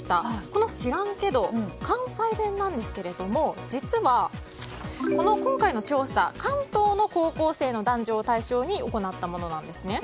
この知らんけどは関西弁ですが実は、今回の調査は関東の高校生の男女を対象に行ったものなんです。